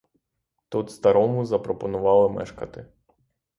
Тут старому запропонували мешкати.